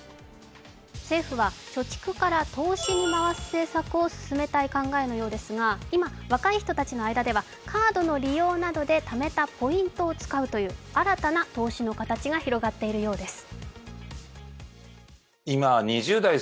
政府は貯蓄から投資に回す政策を進めたい考えですが今若い人たちの間ではカードの利用などで貯めたポイントを使うという新たな投資の形が広がっているようです。